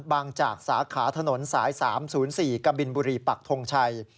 บางจากสาขาถนนสาย๓๐๔กบุรีปักธงชัย